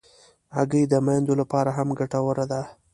هګۍ د میندو لپاره هم ګټوره ده.